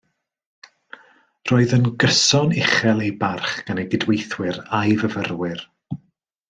Roedd yn gyson uchel ei barch gan ei gydweithwyr a'i fyfyrwyr